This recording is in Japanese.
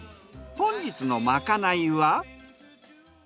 本日のまかないは？